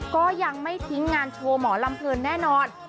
ก็ยังไม่ทิ้งงานโชว์หมอลำเพลินแน่นอน